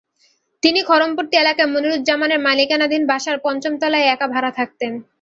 তিনি খড়মপট্টি এলাকায় মনিরুজ্জামানের মালিকানাধীন বাসার পঞ্চম তলায় একা ভাড়া থাকতেন।